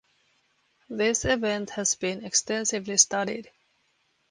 This event has been extensively studied.